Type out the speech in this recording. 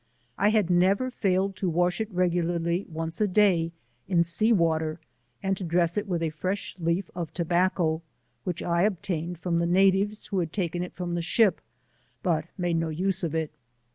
I had never failed to wash it regularly once a day in sea water, and to dress it with a fresh leaf of tobacco, which I obtained from the natives, who had taken it from the ship, but made no use of it.